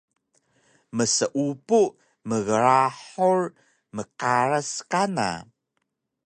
mseupu mgrahul mqaras kana